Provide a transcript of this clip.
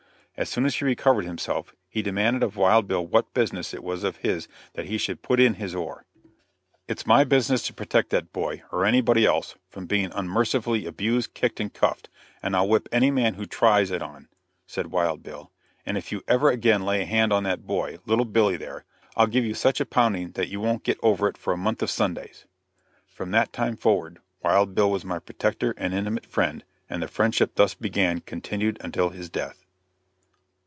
As soon as he recovered himself, he demanded of Wild Bill what business it was of his that he should "put in his oar." "It's my business to protect that boy, or anybody else, from being unmercifully abused, kicked and cuffed, and I'll whip any man who tries it on," said Wild Bill; "and if you ever again lay a hand on that boy little Billy there I'll give you such a pounding that you won't get over it for a month of Sundays." From that time forward Wild Bill was my protector and intimate friend, and the friendship thus begun continued until his death.